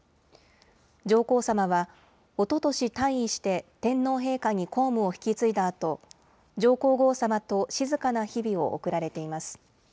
上皇さまは、おととし退位して天皇陛下に公務を引き継いだあと、上皇后さまと静かな日々を送られています。